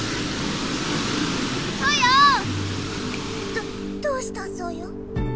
どどうしたソヨ？